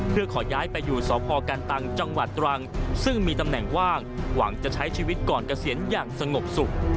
เพื่อขอย้ายไปอยู่สพกันตังจังหวัดตรังซึ่งมีตำแหน่งว่างหวังจะใช้ชีวิตก่อนเกษียณอย่างสงบสุข